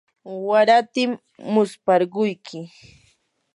waratim musparquyki.